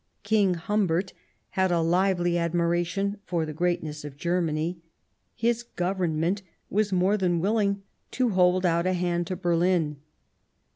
King Humbert had a lively admiration for the greatness of Germany ; his Government was more than wilHng to hold out a hand to Berlin.